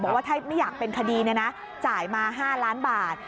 บอกว่าถ้าไม่อยากเป็นคดีจ่ายมา๕ล้านบาท